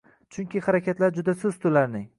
chunki harakatlari juda sust ularning.